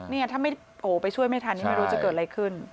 นี่ถ้าไม่โผล่ไปช่วยไม่ทันนี่ไม่รู้จะเกิดอะไรขึ้น